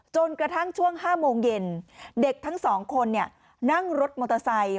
จนกระทั่งช่วง๕โมงเย็นเด็กทั้งสองคนนั่งรถมอเตอร์ไซค์